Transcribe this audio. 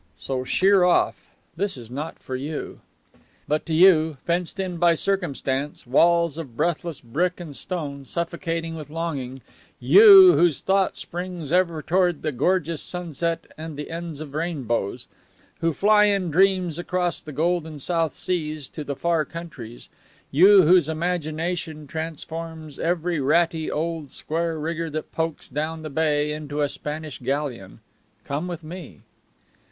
So sheer off this is not for you. But to you, fenced in by circumstance, walls of breathless brick and stone, suffocating with longing, you whose thought springs ever toward the gorgeous sunset and the ends of rainbows; who fly in dreams across the golden south seas to the far countries, you whose imagination transforms every ratty old square rigger that pokes down the bay into a Spanish galleon come with me.